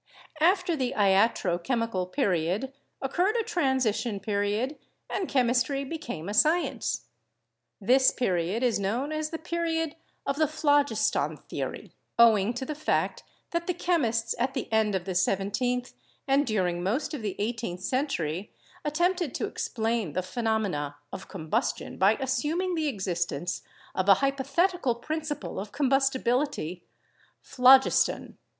After the Iatro Chemical Period occurred a transition period and chemistry became a science. This period is known as the period of the Phlogiston Theory, owing to the fact that the chemists at the end of the seventeenth and during most of the eighteenth century attempted to explain the phenomena of combustion by assuming the existence of a hypothetical principle of combustibility, 'phlogiston.'